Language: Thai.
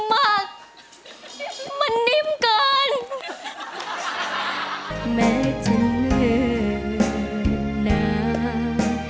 แม้จะเนื่องนาน